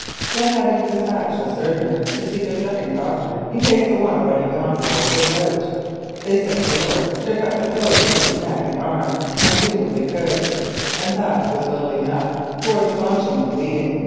Then, having despatched a servant to seek a second doctor in case the one already gone for was out, they set to work to cut the clothes from his neck and arm, and do what they could, and that was little enough, towards staunching the bleeding.